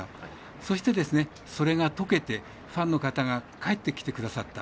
そして、それがとけてファンの方が帰ってきてくださった。